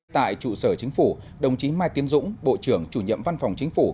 tại trụ sở chính phủ đồng chí mai tiến dũng bộ trưởng chủ nhiệm văn phòng chính phủ